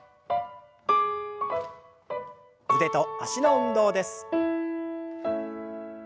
腕と脚の運動です。